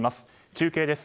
中継です。